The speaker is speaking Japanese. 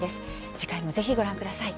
次回もぜひご覧ください。